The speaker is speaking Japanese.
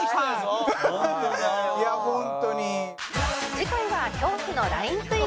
次回は恐怖の ＬＩＮＥ クイズ